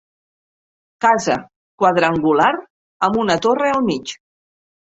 Casa quadrangular amb una torre al mig.